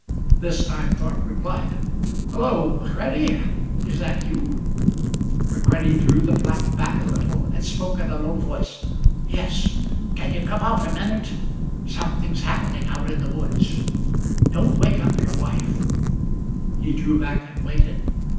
This time Thorpe replied. "Hello, McCready is that you?" McCready drew the flap back a little, and spoke in a low voice. "Yes. Can you come out a minute? Something's happening out in the woods. Don't wake up your wife!" He drew back and waited.